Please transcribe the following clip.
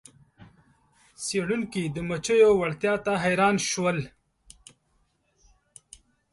څیړونکي د مچیو وړتیا ته حیران شول.